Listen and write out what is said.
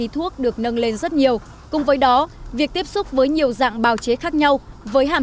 thuốc được nâng lên rất nhiều cùng với đó việc tiếp xúc với nhiều dạng bào chế khác nhau với hàm